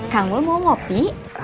kangul mau kopi